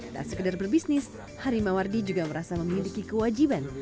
tak sekedar berbisnis harimawardi juga merasa memiliki kewajiban